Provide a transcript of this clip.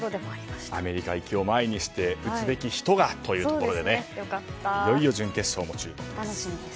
アメリカ行きを前にして打つべき人がというところでいよいよ準決勝も注目です。